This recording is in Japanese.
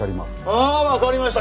ああ分かりました。